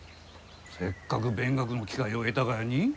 せっかく勉学の機会を得たがやに？